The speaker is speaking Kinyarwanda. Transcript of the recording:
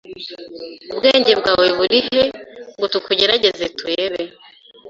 Ubwenge bwawe burihe ngo tukugerageze turebe?